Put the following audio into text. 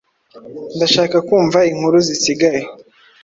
Ndashaka kumva inkuru zisigaye.